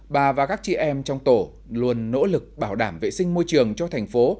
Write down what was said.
bà và các chị em trong tổ luôn nỗ lực bảo đảm vệ sinh môi trường cho thành phố